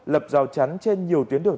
lập rào chắn trên nhiều tuyến đường